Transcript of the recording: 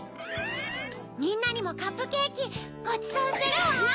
みんなにもカップケーキごちそうするわ！